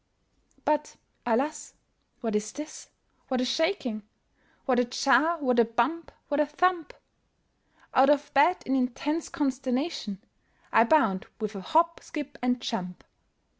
But, alas! what is this? what a shaking! What a jar! what a bump! what a thump! Out of bed, in intense consternation, I bound with a hop, skip, and jump.